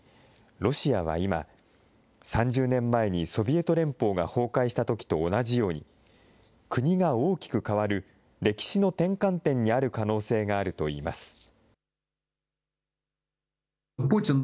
ロシアは今、３０年前にソビエト連邦が崩壊したときと同じように国が大きく変わる、歴史の転換点にある可能性があるといいます。